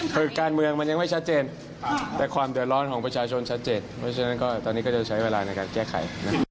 คือการเมืองมันยังไม่ชัดเจนแต่ความเดือดร้อนของประชาชนชัดเจนเพราะฉะนั้นก็ตอนนี้ก็จะใช้เวลาในการแก้ไข